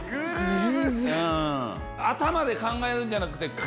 頭で考えるんじゃなくて。